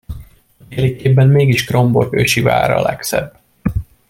A téli képben mégis Kronborg ősi vára a legszebb.